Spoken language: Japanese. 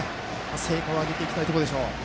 成果を上げていきたいところでしょう。